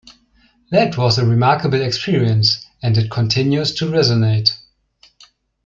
That was a remarkable experience-and it continues to resonate.